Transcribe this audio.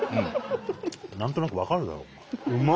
何となく分かるだろお前。